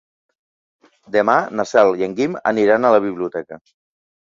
Demà na Cel i en Guim aniran a la biblioteca.